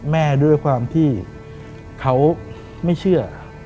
แม่ด้วยความที่เขาไม่เชื่อ